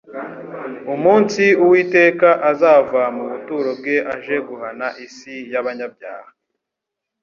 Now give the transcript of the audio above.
umunsi Uwiteka azava mu buturo bwe aje guhana isi y'abanyabyaha